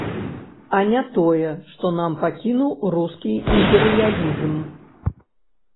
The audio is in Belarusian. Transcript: А не тое, што нам пакінуў рускі імперыялізм.